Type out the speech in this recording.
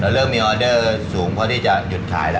เริ่มมีออเดอร์สูงพอที่จะหยุดขายแล้ว